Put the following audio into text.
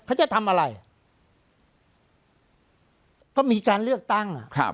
เขาจะทำอะไรก็มีการเลือกตั้งอ่ะครับ